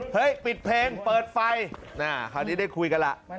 เฮ้ยปิดเพลงเปิดไฟคราวนี้ได้คุยกันล่ะ